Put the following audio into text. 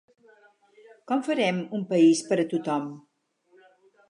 Com farem un país per a tothom?